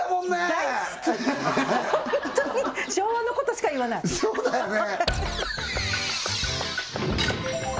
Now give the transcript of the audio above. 大好き本当に昭和のことしか言わないそうだよね